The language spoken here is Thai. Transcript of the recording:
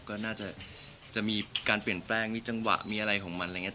ก็น่าจะมีการเปลี่ยนแปลงมีจังหวะมีอะไรของมันอะไรอย่างนี้